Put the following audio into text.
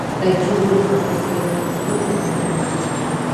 Kay chukllu paktankami kunan mikunapa.